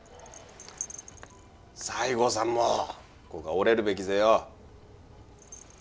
西郷さんもここは折れるべきぜよ。